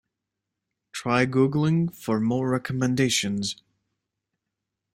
Try googling for more recommendations.